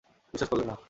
বিশ্বাস করলে না!